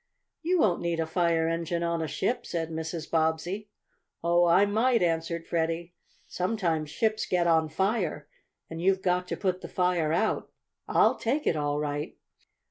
"You won't need a fire engine on a ship," said Mrs. Bobbsey. "Oh, I might," answered Freddie. "Sometimes ships get on fire, and you've got to put the fire out. I'll take it all right."